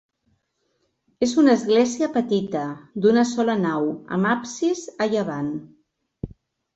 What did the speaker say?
És una església petita, d'una sola nau, amb absis a llevant.